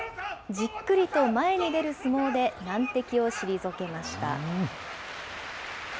じっくりと前に出る相撲で難敵を退けました。